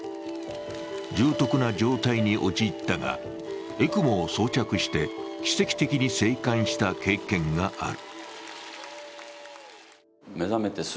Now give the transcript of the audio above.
重篤な状態に陥ったがＥＣＭＯを装着して、奇跡的に生還した経験がある。